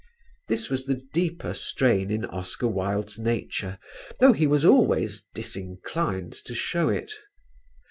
This was the deeper strain in Oscar Wilde's nature though he was always disinclined to show it.